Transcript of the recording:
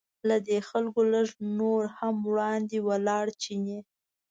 له دې خلکو لږ نور هم وړاندې ولاړ چیني.